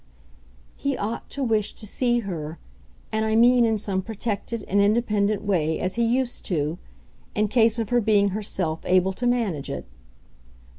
"He ought to wish to see her and I mean in some protected and independent way, as he used to in case of her being herself able to manage it.